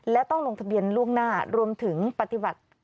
และต้องลงทะเบียนล่วงหน้ารวมถึงปฏิบัติ